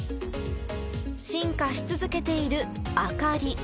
進化し続けている明かり。